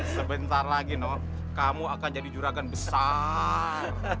sebentar lagi nok kamu akan jadi juragan besar